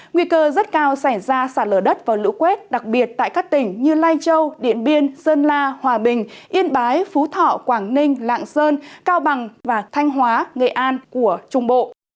nguy cơ rất cao xảy ra sạt lở đất và lũ quét đặc biệt tại các tỉnh như lai châu điện biên sơn la hòa bình yên bái phú thọ quảng ninh lạng sơn cao bằng và thanh hóa nghệ an của trung bộ